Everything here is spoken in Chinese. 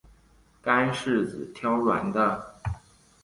干柿子挑软的